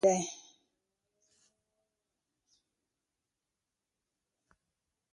د بدن بوی د ژوند ځای پورې تړلی دی.